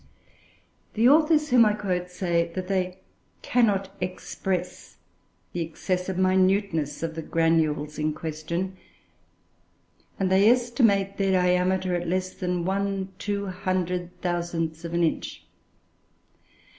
The authors whom I quote say that they "cannot express" the excessive minuteness of the granules in question, and they estimate their diameter at less than 1/200000 of an inch.